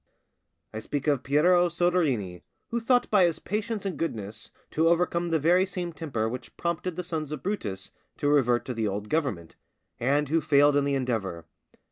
I speak of Piero Soderini, who thought by his patience and goodness to overcome the very same temper which prompted the sons of Brutus to revert to the old government, and who failed in the endeavour.